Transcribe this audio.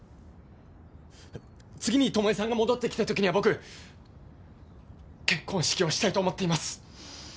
次に巴さんが戻ってきた時には僕結婚式をしたいと思っています。